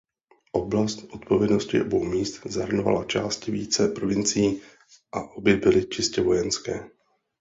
Oblast odpovědnosti obou míst zahrnovala části více provincií a obě byly čistě vojenské.